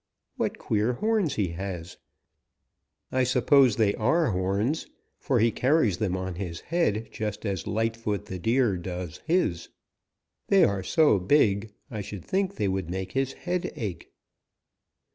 What queer horns he has! I suppose they are horns, for he carries them on his head just as Lightfoot the Deer does his. They are so big I should think they would make his head ache."